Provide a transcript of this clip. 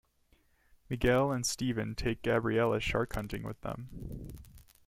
Miguel and Steven take Gabriella shark hunting with them.